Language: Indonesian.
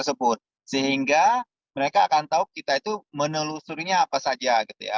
sehingga mereka akan tahu kita itu menelusurnya apa saja